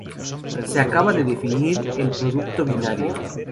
Se acaba de definir el producto binario.